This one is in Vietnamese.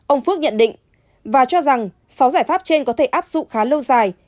ông phước nhận định và cho rằng sáu giải pháp trên có thể áp dụng khá lâu dài